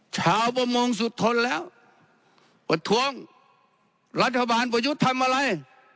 ชาวประมงสุดทนแล้วประท้วงรัฐบาลประยุทธ์ทำอะไร